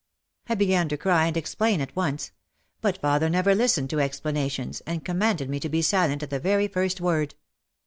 I began to cry and explain at once. But father never listened to explanations, and commanded me to be silent at the very first word.